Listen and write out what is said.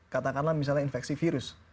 katakanlah misalnya infeksi virus